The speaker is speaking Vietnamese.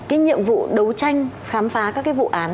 cái nhiệm vụ đấu tranh khám phá các cái vụ án